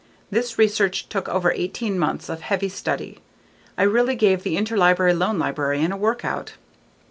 This research took over eighteen months of heavy study. l really gave the interlibrary loan librarian a workout.